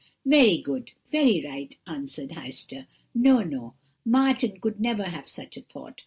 "'Very good, very right,' answered Heister. 'No, no! Martin could never have such a thought.